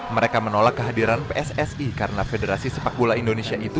mereka menolak kehadiran pssi karena federasi sepak bola indonesia itu